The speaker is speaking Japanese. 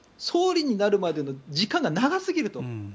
総理になるまでの時間が長すぎると。